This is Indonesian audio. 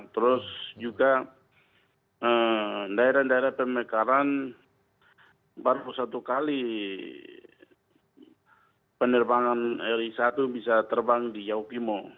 terus juga daerah daerah pemekaran baru satu kali penerbangan ri satu bisa terbang di yaukimo